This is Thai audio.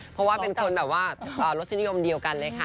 เพราะว่าเป็นคนแบบว่ารสนิยมเดียวกันเลยค่ะ